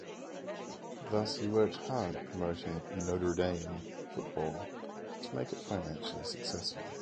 Thus he worked hard promoting Notre Dame football to make it financially successful.